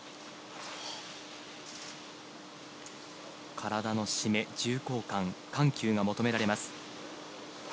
体の締め、重厚感緩急が求められます。